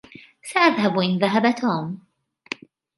سأذهب إن ذهب توم.